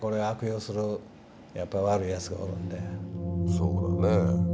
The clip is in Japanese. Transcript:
そうだね。